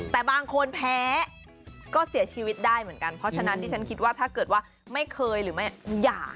แต่บางคนแพ้ก็เสียชีวิตได้เหมือนกันเพราะฉะนั้นดิฉันคิดว่าถ้าเกิดว่าไม่เคยหรือไม่หย่า